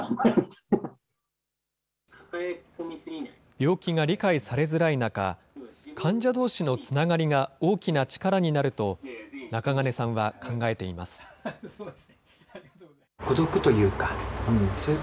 病気が理解されづらい中、患者どうしのつながりが大きな力になると、中金さんは考えています。